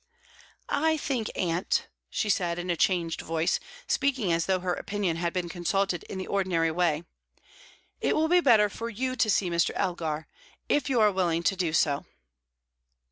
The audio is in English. "I think, aunt," she said, in a changed voice, speaking as though her opinion had been consulted in the ordinary way, "it will be better for you to see Mr. Elgar if you are willing to do so."